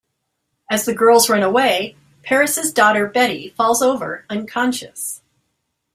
As the girls run away, Parris' daughter Betty falls over unconscious.